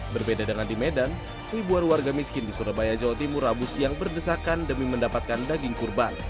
berbeda dengan di medan ribuan warga miskin di surabaya jawa timur rabu siang berdesakan demi mendapatkan daging kurban